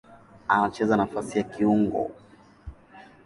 Anacheza nafasi ya kiungo.